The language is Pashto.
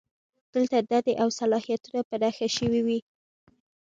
دلته دندې او صلاحیتونه په نښه شوي وي.